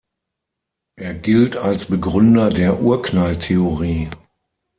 Er gilt als Begründer der Urknalltheorie.